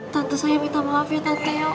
tante saya minta maaf ya tante